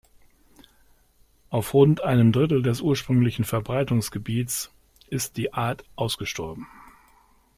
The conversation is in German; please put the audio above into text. Auf rund einem Drittel des ursprünglichen Verbreitungsgebiets ist die Art ausgestorben.